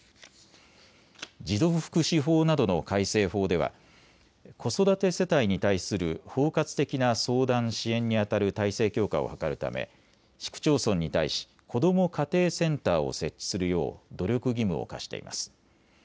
児童福祉法などの改正法では子育て世帯に対する包括的な相談支援にあたる体制強化を図るため市区町村に対しこども家庭センターを設置するよう努力義務を課しています。